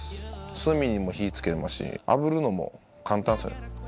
炭にも火付けれますしあぶるのも簡単っすよ。